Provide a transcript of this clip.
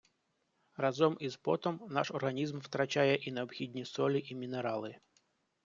Разом із потом наш організм втрачає і необхідні солі і мінерали